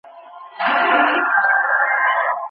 ایا ملي بڼوال انځر صادروي؟